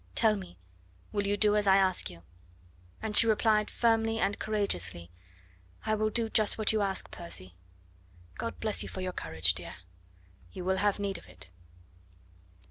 Tell me! will you do as I ask you?" And she replied firmly and courageously: "I will do just what you ask, Percy." "God bless you for your courage, dear. You will have need of it."